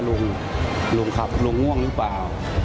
ลุงลุงครับลุงง่วงหรือเปล่า